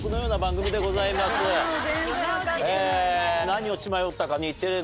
何を血迷ったか。